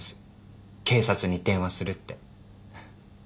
「警察に電話する」って。